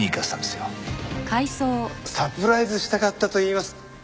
サプライズしたかったといいますか。